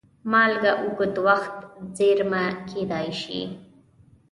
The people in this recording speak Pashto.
مالګه اوږد وخت زېرمه کېدای شي.